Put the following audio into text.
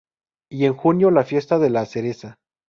Y en junio la fiesta de la cereza.